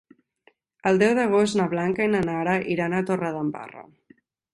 El deu d'agost na Blanca i na Nara iran a Torredembarra.